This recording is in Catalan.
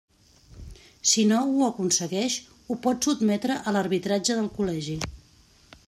Si no ho aconsegueix, ho pot sotmetre a l'arbitratge del Col·legi.